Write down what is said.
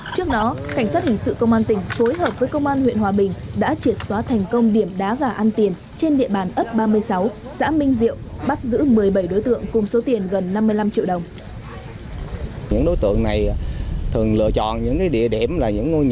trước đó cảnh sát hình sự công an tỉnh phối hợp với công an huyện hòa bình đã triệt xóa thành công điểm đá gà ăn tiền trên địa bàn ấp ba mươi sáu xã minh diệu bắt giữ một mươi bảy đối tượng cùng số tiền gần năm mươi năm triệu đồng